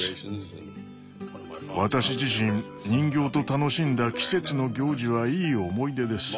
私自身人形と楽しんだ季節の行事はいい思い出です。